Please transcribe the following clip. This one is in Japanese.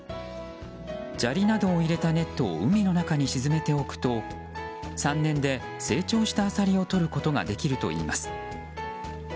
砂利などを入れたネットを海の中に沈めておくと３年で成長したアサリをとることができるといいます。